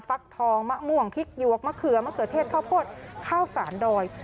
ฟักทองมะม่วงพริกหยวกมะเขือมะเขือเทศข้าวโพดข้าวสารดอย